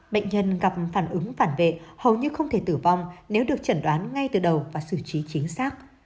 bệnh nhân gặp phản ứng phản vệ hầu như không thể tử vong nếu được chẩn đoán ngay từ đầu và xử trí chính xác